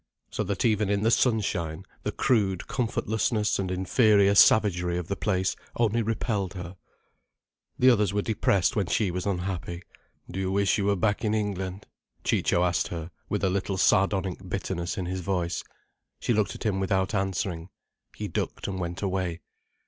So that even in the sunshine the crude comfortlessness and inferior savagery of the place only repelled her. The others were depressed when she was unhappy. "Do you wish you were back in England?" Ciccio asked her, with a little sardonic bitterness in his voice. She looked at him without answering. He ducked and went away.